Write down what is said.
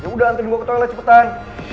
ya udah anterin gua ke toilet cepetan